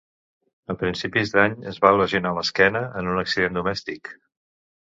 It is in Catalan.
A principis d'any es va lesionar l'esquena en un accident domèstic.